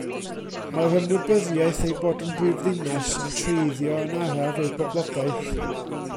Mae'r ymwybyddiaeth ei bod yn brifddinas yn treiddio yn araf i'r boblogaeth.